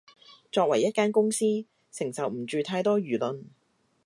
作為一間公司，承受唔住太多輿論